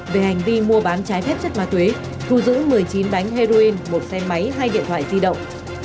về hành vi mua bán trái phép chất ma túy thu giữ một mươi chín bánh heroin một xe máy hai điện thoại di động